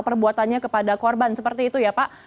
perbuatannya kepada korban seperti itu ya pak